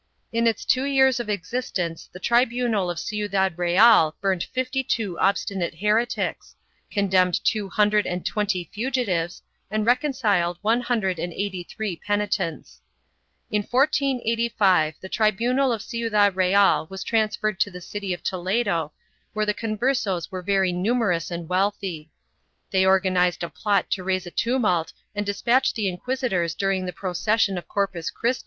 1 In its two years of existence the tribunal of Ciudad Real burnt fifty two obstinate heretics, condemned two hundred and twenty fugitives and reconciled one hundred and eighty three penitents.2 In 1485 the tribunal of Ciudad Real was transferred to the city of Toledo where the Converses were very numerous and wealthy. They organized a plot to raise a tumult and despatch the inquisitors during the procession of Corpus Christ!